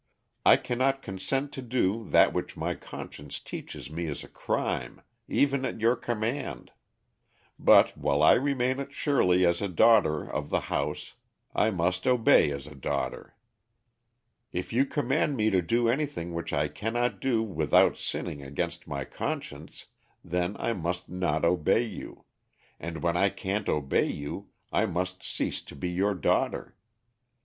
I cannot consent to do that which my conscience teaches me is a crime, even at your command; but while I remain at Shirley as a daughter of the house I must obey as a daughter. If you command me to do anything which I cannot do without sinning against my conscience, then I must not obey you, and when I can't obey you I must cease to be your daughter.